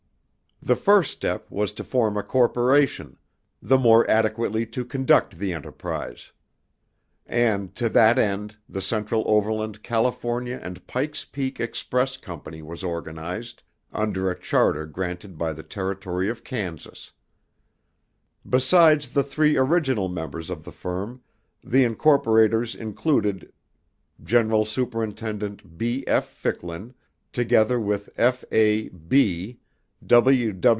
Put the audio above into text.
The first step was to form a corporation, the more adequately to conduct the enterprise; and to that end the Central Overland California and Pike's Peak Express Company was organized under a charter granted by the Territory of Kansas. Besides the three original members of the firm, the incorporators included General Superintendent B. F. Ficklin, together with F. A.